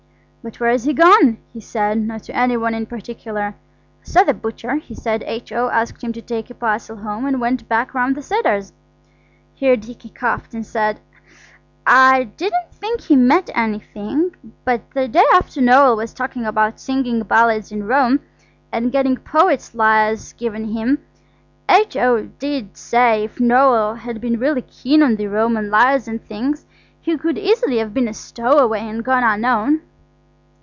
"But where's he gone?" he said, not to any one in particular. "I saw the butcher; he said H.O. asked him to take a parcel home and went back round the Cedars." Here Dicky coughed and said– "I didn't think he meant anything, but the day after Noël was talking about singing ballads in Rome, and getting poet's lyres given him, H.O. did say if Noël had been really keen on the Roman lyres and things he could easily have been a stowaway, and gone unknown."